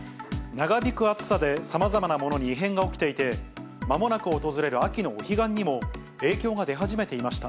長引く暑さで、さまざまなものに異変が起きていて、まもなく訪れる秋のお彼岸にも影響が出始めていました。